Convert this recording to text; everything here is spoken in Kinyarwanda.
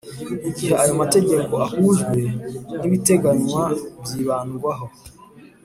Igihe ayo mategeko ahujwe n’ibiteganywa byibandwaho